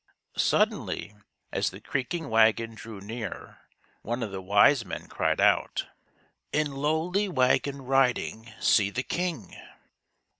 Suddenly, as the creaking wagon drew near, one of the wise men cried out: —" In lowly wagon riding, see the king